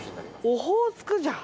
オホーツク醤？